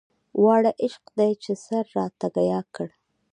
واړه عشق دی چې يې سر راته ګياه کړ.